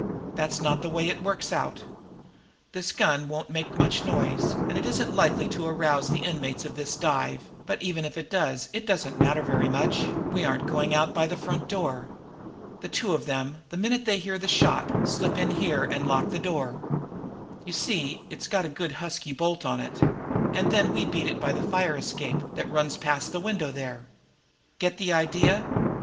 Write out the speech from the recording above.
That's not the way it works out. This gun won't make much noise, and it isn't likely to arouse the inmates of this dive, but even if it does, it doesn't matter very much we aren't going out by the front door. The two of them, the minute they hear the shot, slip in here, and lock the door you see it's got a good, husky bolt on it and then we beat it by the fire escape that runs past that window there. Get the idea?